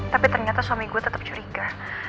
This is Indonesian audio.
tapi ternyata suami gue tetap curiga